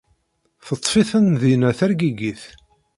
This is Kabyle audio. Teṭṭef-iten dinna tergigit.